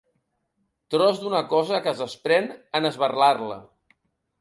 Tros d'una cosa que es desprèn en esberlar-la.